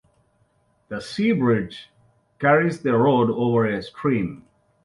The "Sea Bridge" carries the road over a stream.